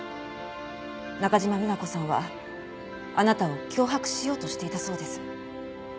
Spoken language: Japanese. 中島美奈子さんはあなたを脅迫しようとしていたそうです。